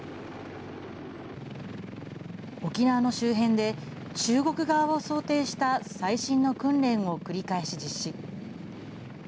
沖縄の周辺で中国側を想定した最新の訓練を繰り返し実施。